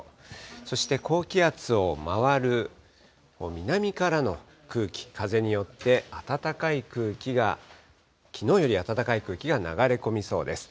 そして高気圧を回る南からの空気、風によって、暖かい空気がきのうより暖かい空気が流れ込みそうです。